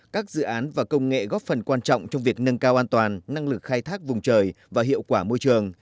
các dự án và công nghệ góp phần quan trọng trong việc nâng cao an toàn năng lực khai thác vùng trời và hiệu quả môi trường